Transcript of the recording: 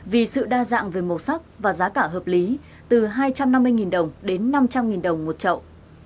vì sự đa dạng về màu sắc và giá cả hợp lý từ hai trăm năm mươi đồng đến năm trăm linh đồng một chậu